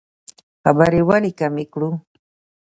خبرې ولې کمې کړو؟